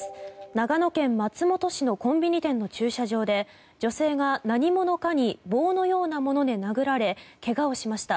長野県松本市のコンビニ店の駐車場で女性が何者かに棒のようなもので殴られけがをしました。